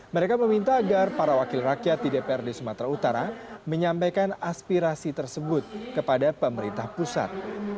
mereka meminta agar para wakil rakyat di dprd sumatera utara menyampaikan aspirasi tersebut kepada pemerintah pusat